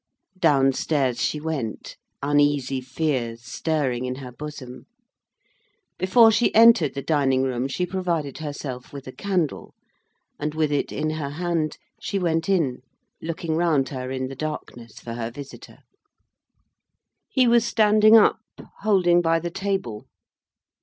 Down stairs she went, uneasy fears stirring in her bosom. Before she entered the dining room she provided herself with a candle, and, with it in her hand, she went in, looking round her in the darkness for her visitor. He was standing up, holding by the table.